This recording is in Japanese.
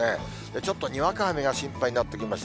ちょっとにわか雨が心配になってきました。